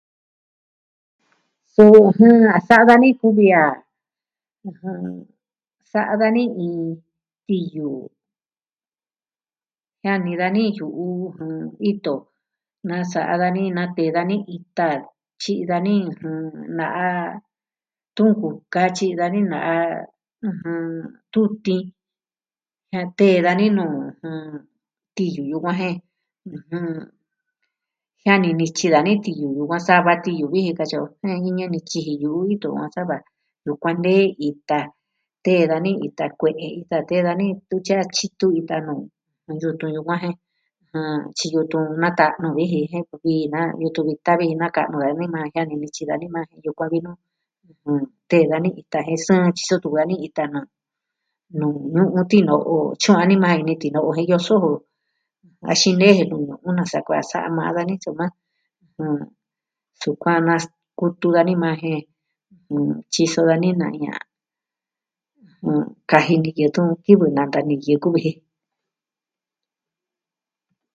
Suu, jɨn, a sa'a dani kuvi a, ɨjɨn... sa'a dani iin tiyu jiani dani yu'u luu ito. nasa'a dani na tee dani ita. Tyi'i dani uu... na'a tuku katyi dani na'a, ɨjɨn... tutii. Natee dani nuu ɨjɨn... tiyu yukuan jen ɨjɨn jiani nityi dani tiyu yukuan sava tiyu viji katyi o. Jiani ñani tyiji yuu ito a sava yukuan nee ita. Tee dani ita kue'e. Ita tee dani ntu tyatyitu ita nuu. A yutun yukuan je... jɨn tyi yutun maa ta'nu viji jin a nkuvi naa yutun vi ta'vi na ka'nu anima jiani nityi da anima yukuan vi nuu... ɨjɨn... tee dani ita jen sɨɨn tyiso tun va ni ita nuu... nuu ñu'un tino'o tyi anima ini tino'o jen yoso jo. Va xine'e je nuu una sa kua'an sama dani soma... jɨn... sukuan naskutu anima jen, tyiso dani na ya... jɨn... kaji niyo tun kivɨ nanta niyɨ kuvi ji.